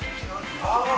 ああ